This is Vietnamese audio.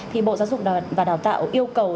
thì bộ giáo dục và đào tạo yêu cầu